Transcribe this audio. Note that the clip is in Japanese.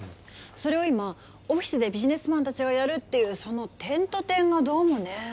それを今オフィスでビジネスマンたちがやるっていうその点と点がどうもねえ。